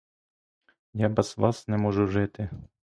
Я без вас не можу жити.